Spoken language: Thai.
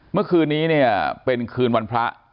เมื่อคืนนี้เป็นคืนวันพระ